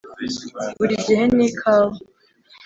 burigihe ni ikawa.